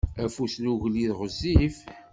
Afus n ugellid ɣezzif.